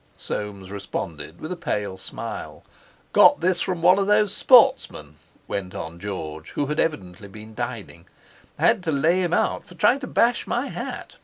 Soames responded with a pale smile. "Got this from one of these sportsmen," went on George, who had evidently been dining; "had to lay him out—for trying to bash my hat.